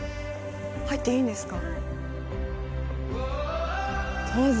入っていいんですか？